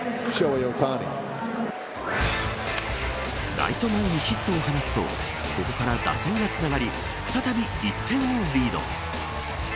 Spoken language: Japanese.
ライト前にヒットを放つとここから打線がつながり再び１点をリード。